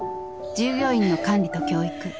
［従業員の管理と教育］